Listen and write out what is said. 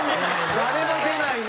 誰も出ないな。